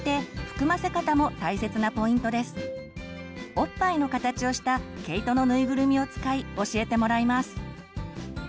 おっぱいの形をした毛糸の縫いぐるみを使い教えてもらいます。